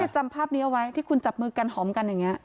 จำภาพนี้เอาไว้ที่คุณจับมือกันหอมกันอย่างนี้